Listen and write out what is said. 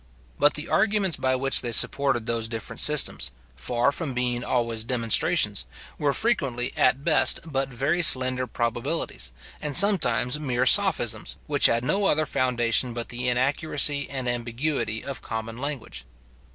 But the arguments by which they supported those different systems, far from being always demonstrations, were frequently at best but very slender probabilities, and sometimes mere sophisms, which had no other foundation but the inaccuracy and ambiguity of common language.